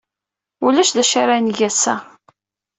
Ulac d acu ara neg ass-a.